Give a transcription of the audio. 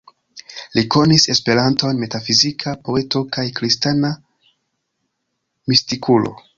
Li konis Esperanton, metafizika poeto kaj kristana mistikulo.